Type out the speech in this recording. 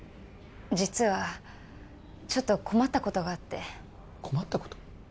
実はちょっと困ったことがあって困ったこと？